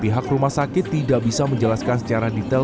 pihak rumah sakit tidak bisa menjelaskan secara detail